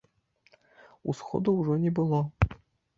Усходаў ужо не было.